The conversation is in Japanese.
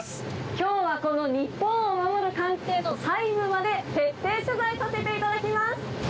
きょうはこの日本を守る艦艇の細部まで、徹底取材させていただきます！